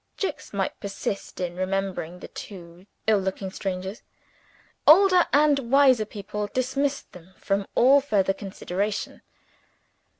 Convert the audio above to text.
Jicks might persist in remembering the two ill looking strangers. Older and wiser people dismissed them from all further consideration.